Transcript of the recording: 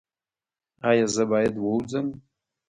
ایا زه باید ووځم؟